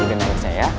udah nangisnya ya